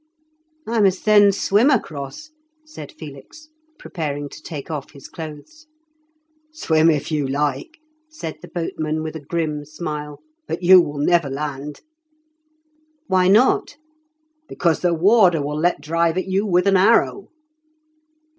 "I must then swim across," said Felix, preparing to take off his clothes. "Swim, if you like," said the boatman, with a grim smile; "but you will never land." "Why not?" "Because the warder will let drive at you with an arrow."